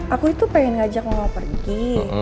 aku itu pengen ngajak mama pergi